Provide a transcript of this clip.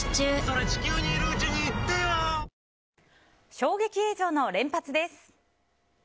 衝撃映像の連発です。